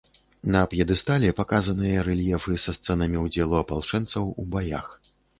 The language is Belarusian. На п'едэстале паказаныя рэльефы са сцэнамі ўдзелу апалчэнцаў у баях.